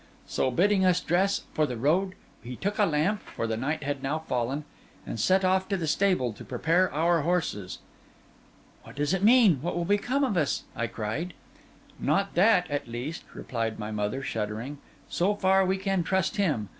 So, bidding us dress for the road, he took a lamp (for the night had now fallen) and set off to the stable to prepare our horses. 'What does it mean?—what will become of us?' I cried. 'Not that, at least,' replied my mother, shuddering. 'So far we can trust him.